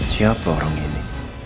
siapa orang ini